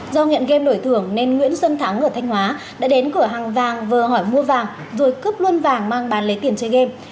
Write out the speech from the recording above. do nghiện game đổi thưởng nên nguyễn xuân thắng ở thanh hóa đã đến cửa hàng vàng vờ hỏi mua vàng rồi cướp luôn vàng mang bán lấy tiền chơi game